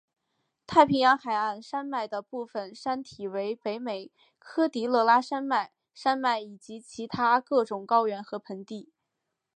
太平洋海岸山脉的部分山体为北美科迪勒拉山脉山脉以及其他各种高原和盆地。